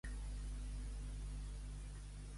—Cinc i cinc? —Deu. —Ensuma el cul de la guineu!